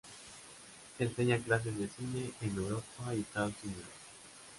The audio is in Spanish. Enseña clases de cine en Europa y Estados Unidos.